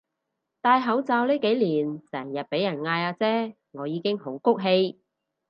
戴口罩呢幾年成日畀人嗌阿姐我已經好谷氣